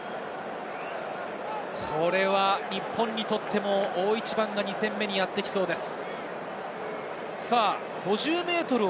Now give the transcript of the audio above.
これは日本にとっても大一番が２戦目にやってきそうです。